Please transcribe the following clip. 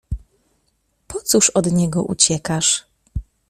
Po cóż od niego uciekasz?